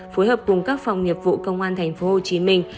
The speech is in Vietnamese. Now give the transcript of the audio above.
phối hợp cùng các phòng nghiệp vụ công an thành phố hồ chí minh